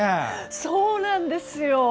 そうなんですよ。